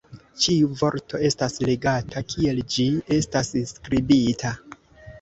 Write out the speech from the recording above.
Ĉiu vorto estas legata, kiel ĝi estas skribita.